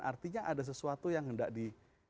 artinya ada sesuatu yang hendak di